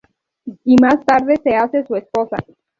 Y más tarde se hace su esposa.